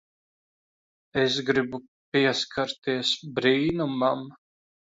Es gribu pieskarties brīnumam.